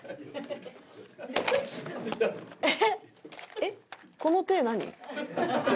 えっ？